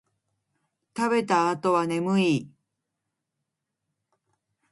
食べた後は眠い